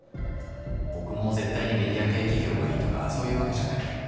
僕も絶対にメディア系企業がいいとかそういうわけじゃないので。